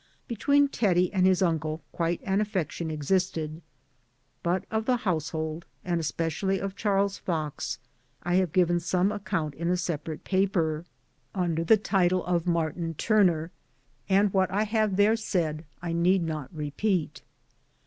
Between Teddie and his uncle quite an affection existed ; but of the household, and especially of Charles Fox I have given sornie account in a separate paper, under the title of Martin 104 MY DAYS AND DREAMS Turner ',; and what I have there said I need not repeat.